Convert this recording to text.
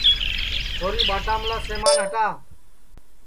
چھوری ٻاٹا مِلا سمان ہٹا